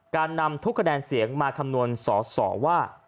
การนำทุกคะแนนเสียงมาคำนวณสอสอว่า